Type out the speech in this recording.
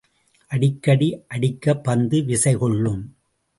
அடிக்க அடிக்கப் பந்து விசை கொள்ளும்.